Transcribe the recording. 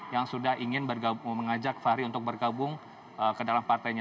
yang sudah ingin mengajak fahri untuk bergabung ke dalam partainya